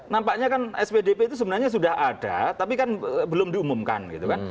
nampaknya kan spdp itu sebenarnya sudah ada tapi kan belum diumumkan gitu kan